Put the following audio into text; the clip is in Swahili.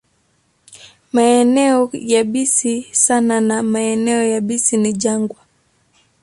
Maeneo yabisi sana na maeneo yabisi ni jangwa.